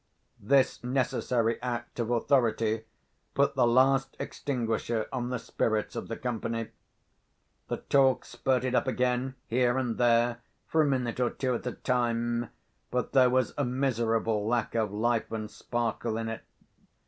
This necessary act of authority put the last extinguisher on the spirits of the company. The talk spurted up again here and there, for a minute or two at a time; but there was a miserable lack of life and sparkle in it.